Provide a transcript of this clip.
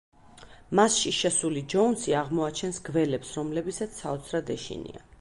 მასში შესული ჯოუნსი აღმოაჩენს გველებს, რომლებისაც საოცრად ეშინია.